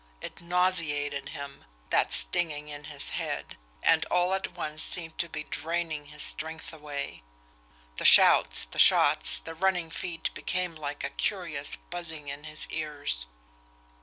It nauseated him, that stinging in his head, and all at once seemed to be draining his strength away. The shouts, the shots, the running feet became like a curious buzzing in his ears.